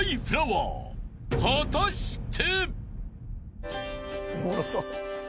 ［果たして］